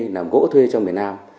làm gỗ thuê trong miền nam